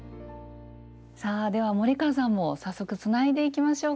さあでは森川さんも早速つないでいきましょうか。